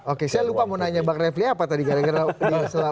oke saya lupa mau nanya pak refli apa tadi karena selama pak ngabalin